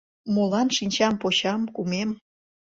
Молан шинчам почам, кумем —